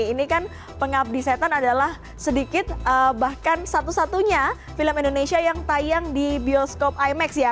ini kan pengabdi setan adalah sedikit bahkan satu satunya film indonesia yang tayang di bioskop imax ya